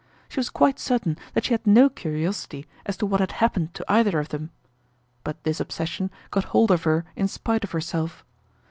She was quite certain that she had no curiosity as to what had happened to either of them. But this obsession got hold of her in spite of herself.